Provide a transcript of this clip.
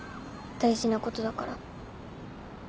大事なことだから。